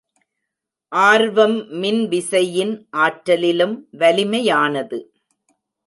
ஆர்வம் மின்விசையின் ஆற்றலிலும் வலிமையானது.